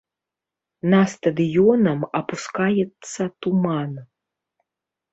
На стадыёнам апускаецца туман.